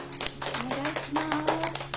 お願いします。